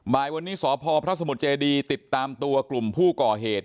บ่ายวันนี้สพพระสมุทรเจดีติดตามตัวกลุ่มผู้ก่อเหตุ